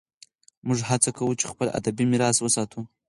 موږ هڅه کوو چې خپل ادبي میراث وساتو.